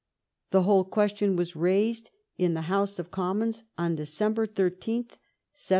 The whole question was raised in the House of Commons on December 13, 1709.